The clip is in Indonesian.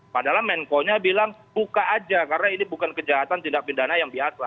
padahal menko nya bilang buka aja karena ini bukan kejahatan tindak pidana yang biasa